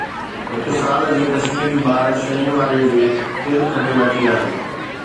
هڪ سال جي ڪشميري ٻار شين وارن جي دل کٽي ورتي آهي